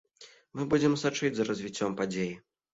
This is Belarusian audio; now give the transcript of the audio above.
Мы будзем сачыць за развіццём падзей.